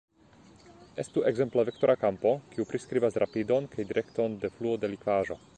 Estu ekzemple vektora kampo kiu priskribas rapidon kaj direkton de fluo de likvaĵo.